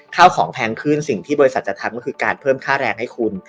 ข้าวของแพงขึ้นสิ่งที่บริษัทจะทำก็คือการเพิ่มค่าแรงให้คุณ